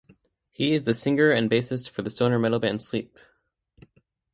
He is the singer and bassist for the stoner metal band Sleep.